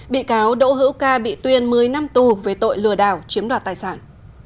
bị cáo đỗ hữu ca bị tuyên một mươi năm tù về tội lừa đảo chiếm đoạt tài sản